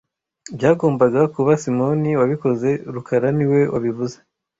Byagombaga kuba Simoni wabikoze rukara niwe wabivuze